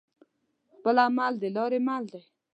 خپل عمل د لارې مل دى.